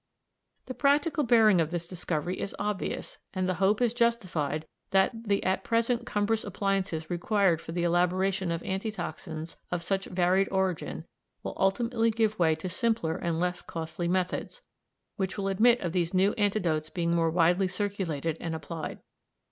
The practical bearing of this discovery is obvious, and the hope is justified that the at present cumbrous appliances required for the elaboration of anti toxins of such varied origin will ultimately give way to simpler and less costly methods, which will admit of these new antidotes being more widely circulated and applied.